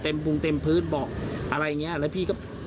เต็มพุงเต็มพืชเบาะอะไรอย่างนี้